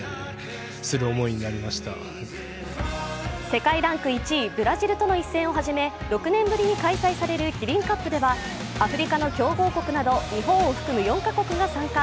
世界ランク１位、ブラジルとの一戦をはじめ、６年ぶりに開催されるキリンカップではアフリカの強豪国など日本を含む４カ国が参加。